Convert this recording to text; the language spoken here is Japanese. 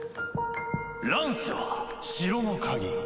ランスは城の鍵。